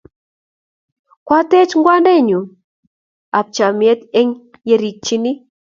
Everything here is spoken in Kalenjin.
Kwatech ng'wendut ap chomyet eng' yerikchin.